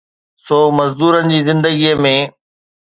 سو مزدورن جي زندگيءَ ۾